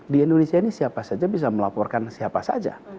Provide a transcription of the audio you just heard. di indonesia ini siapa saja bisa melaporkan siapa saja